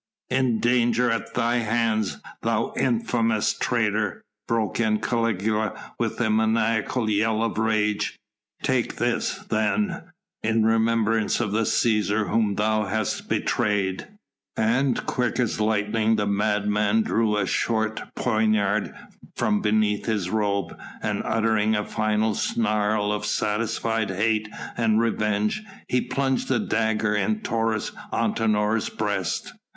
"In danger at thy hands, thou infamous traitor," broke in Caligula with a maniacal yell of rage; "take this then, in remembrance of the Cæsar whom thou hast betrayed!" And quick as lightning the madman drew a short poniard from beneath his robe, and, uttering a final snarl of satisfied hate and revenge, he plunged the dagger in Taurus Antinor's breast.